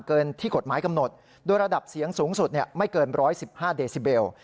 เกินที่กฎหมายกำหนดโดยระดับเสียงสูงสุดไม่เกิน๑๑๕เดซิเบล